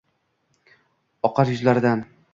Oqar yuzlaridan